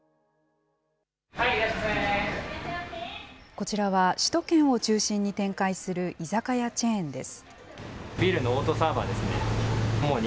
こちらは、首都圏を中心に展開する居酒屋チェーンです。